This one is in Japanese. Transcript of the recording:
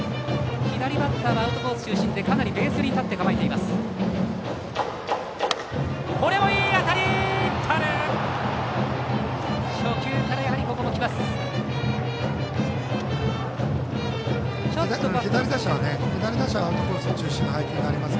左バッターはアウトコース中心でかなりベース寄りに立って構えます。